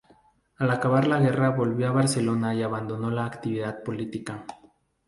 Al acabar la guerra volvió a Barcelona y abandonó la actividad política.